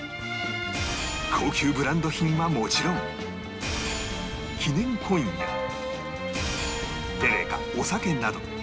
高級ブランド品はもちろん記念コインやテレカお酒など